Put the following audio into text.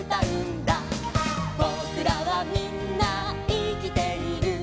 「ぼくらはみんないきている」